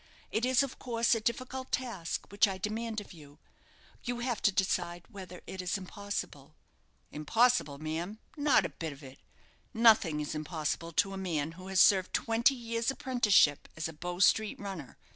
It is, of course, a difficult task which I demand of you. You have to decide whether it is impossible." "Impossible! ma'am not a bit of it. Nothing is impossible to a man who has served twenty years' apprenticeship as a Bow Street runner.